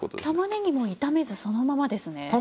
玉ねぎも炒めずそのままですね？